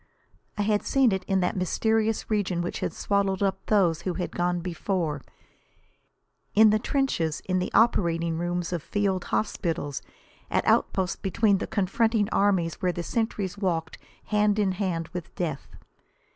I had seen it in that mysterious region which had swallowed up those who had gone before; in the trenches, in the operating, rooms of field hospitals, at outposts between the confronting armies where the sentries walked hand in hand with death.